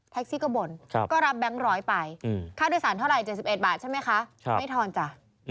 ซี่ก็บ่นก็รับแบงค์ร้อยไปค่าโดยสารเท่าไหร๗๑บาทใช่ไหมคะไม่ทอนจ้ะ